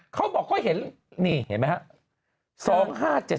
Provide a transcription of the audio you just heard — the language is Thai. เขาบอกเขาเห็นนี่เห็นไหมครับ